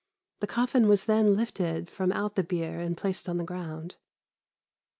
The coffin was then lifted from out the bier and placed upon the ground.